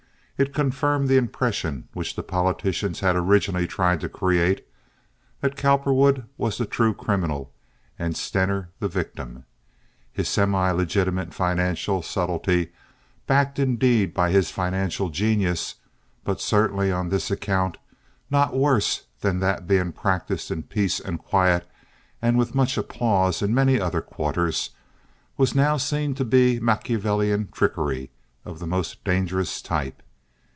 It confirmed the impression, which the politicians had originally tried to create, that Cowperwood was the true criminal and Stener the victim. His semi legitimate financial subtlety, backed indeed by his financial genius, but certainly on this account not worse than that being practiced in peace and quiet and with much applause in many other quarters—was now seen to be Machiavellian trickery of the most dangerous type.